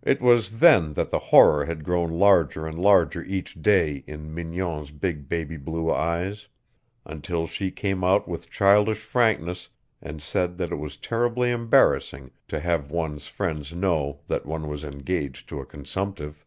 It was then that the horror had grown larger and larger each day in Mignon's big baby blue eyes, until she came out with childish frankness and said that it was terribly embarrassing to have one's friends know that one was engaged to a consumptive.